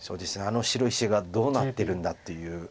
あの白石がどうなってるんだっていう。